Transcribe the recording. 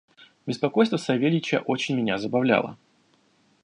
Беспокойство Савельича очень меня забавляло.